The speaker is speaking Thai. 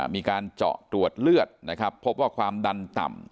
มีการเจาะตรวจเลือดนะครับพบว่าความดันต่ำ